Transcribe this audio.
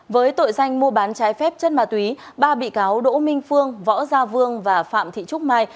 với tội danh mua bán trái phép chất ma túy ba bị cáo đỗ minh phương võ gia vương và phạm thị trúc mai